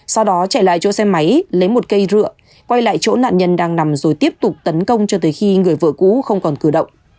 sau đó chạy lại chỗ xe máy lấy một cây rượu quay lại chỗ nạn nhân đang nằm rồi tiếp tục tấn công cho tới khi người vợ cũ không còn cử động